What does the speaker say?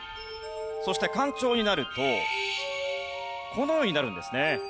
そして干潮になるとこのようになるんですね。